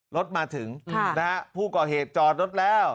รถมาถึงนะฮะผู้ก่อเหตุจอดรถแล้ว